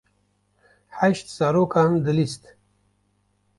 Heşt zarokan dilîst.